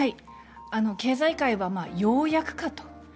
経済界は、ようやくかと。